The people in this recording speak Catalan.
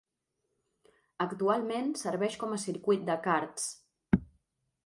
Actualment serveix com a circuit de karts.